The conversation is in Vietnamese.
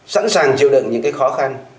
sẵn sàng chịu đựng những khó khăn